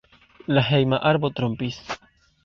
La hejma arbo trompis.